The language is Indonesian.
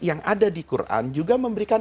yang ada di quran juga memberikan